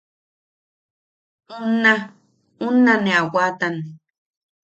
Unna unna ne a waatan...